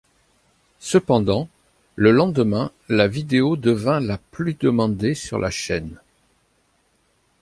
Cependant, le lendemain la vidéo devint la plus demandée sur la chaîne.